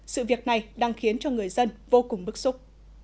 sự việc này đang khiến cho người dân vô cùng bức xúc